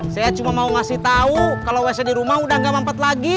saya cuma mau ngasih tahu kalau wc di rumah udah gak mampet lagi